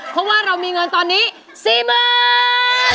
เพราะว่าเรามีเงินตอนนี้๔๐๐๐บาท